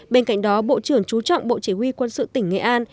bên cạnh đó bộ trưởng chú trọng bộ chỉ huy quân sự tỉnh nghệ an